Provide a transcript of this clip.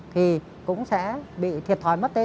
thì cũng sẽ bị thiệt thòi mất tên